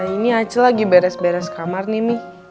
ini acu lagi beres beres kamar nih mi